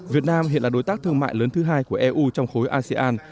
việt nam hiện là đối tác thương mại lớn thứ hai của eu trong khối asean